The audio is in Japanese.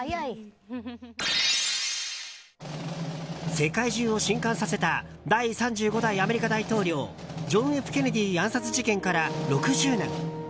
世界中を震撼させた第３５代アメリカ大統領ジョン・Ｆ・ケネディ暗殺事件から６０年。